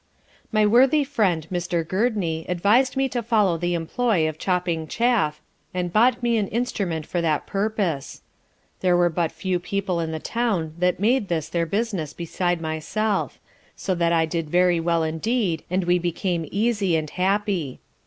My worthy friend Mr. Gurdney advised me to follow the employ of chopping chaff, and bought me an instrument for that purpose. There were but few people in the town that made this their business beside myself; so that I did very well indeed and we became easy and happy.